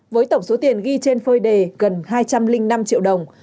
với tổng số tiền ghi trên phơi đề gần hai trăm linh năm triệu đồng